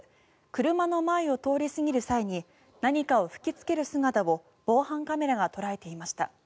車の前を通り過ぎる際に何かを吹きつける姿を防犯カメラが捉えていました。